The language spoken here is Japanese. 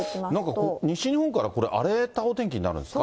なんか西日本から、荒れたお天気になるんですか？